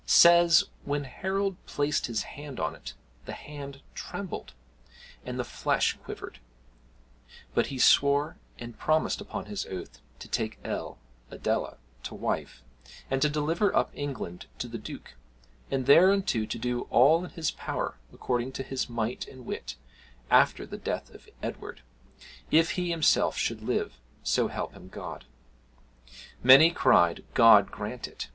] says, when Harold placed his hand on it, the hand trembled, and the flesh quivered; but he swore, and promised upon his oath, to take Ele [Adela] to wife, and to deliver up England to the Duke, and thereunto to do all in his power, according to his might and wit, after the death of Edward, if he himself should live: so help him God. Many cried, "God grant it!"